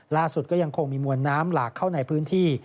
ล่าสุดก็ยังคงมีมวลน้ำหลากเข้าในพื้นที่